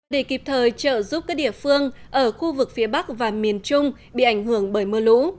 để kịp thời trợ giúp các địa phương ở khu vực phía bắc và miền trung bị ảnh hưởng bởi mưa lũ